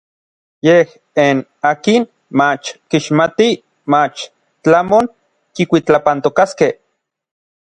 Yej n akin mach kixmatij mach tlamon kikuitlapantokaskej.